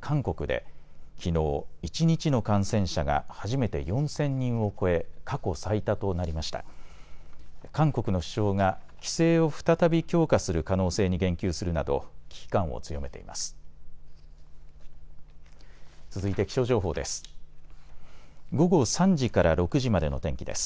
韓国の首相が規制を再び強化する可能性に言及するなど危機感を強めています。